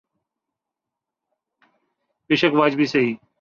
بیشک واجبی سہی۔